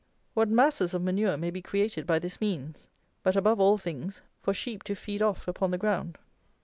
What masses of manure may be created by this means! But, above all things, for sheep to feed off upon the ground.